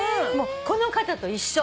この方と一緒。